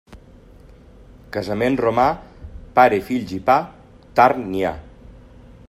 Casament romà, pare, fills i pa tard n'hi ha.